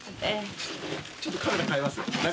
ちょっとカメラ替えますね。